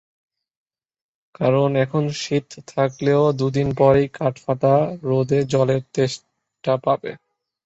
কারণ, এখন শীত থাকলেও দুদিন পরেই কাঠফাটা রোদে জলের তেষ্টা পাবে।